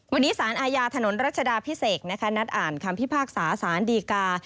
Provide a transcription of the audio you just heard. วันนี้สารอาญาถนนรัชดาพิเศษนัดอ่านคำพิพากษาสารดีกา